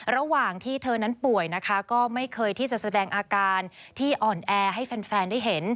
ระหว่างที่เธอนั้นป่วยนะคะก็ไม่เคยที่จะแสดงอาการที่อ่อนแอให้แฟนได้เห็น